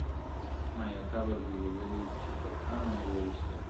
ما یې قبر دی لیدلی چي په کاڼو وي ویشتلی `